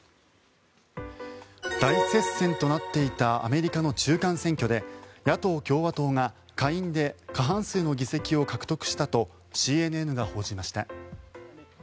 大接戦となっていたアメリカの中間選挙で野党・共和党が下院で過半数の議席を獲得したとＣＮＮが報じました。